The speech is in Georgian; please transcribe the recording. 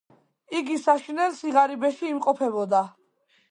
იგი საშინელ სიღარიბეში იმყოფებოდა.